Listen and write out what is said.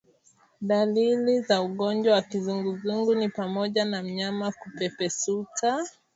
Dalili za ugonjwa wa kizunguzungu ni pamoja na mnyama kupepesuka